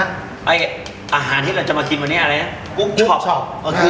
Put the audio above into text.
ไออาหารที่เราจะมากินวันนี้อะไรนะกุ๊กช็อป